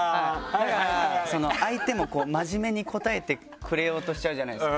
だから相手も真面目に答えてくれようとしちゃうじゃないですか。